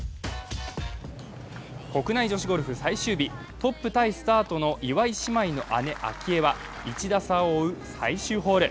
国内女子ゴルフ最終日、トップタイスタートの岩井姉妹の姉、明愛は１打差を追う最終ホール。